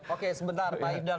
oke sebentar pak ibn dar